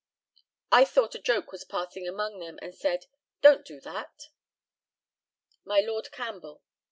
I thought a joke was passing among them, and said, "Don't do that." By Lord CAMPBELL.